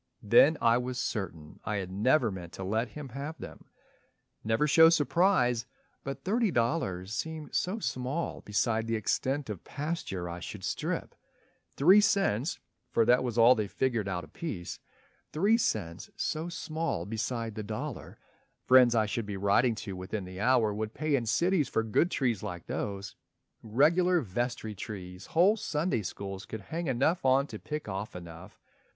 Then I was certain I had never meant To let him have them. Never show surprise! But thirty dollars seemed so small beside The extent of pasture I should strip, three cents (For that was all they figured out apiece), Three cents so small beside the dollar friends I should be writing to within the hour Would pay in cities for good trees like those, Regular vestry trees whole Sunday Schools Could hang enough on to pick off enough.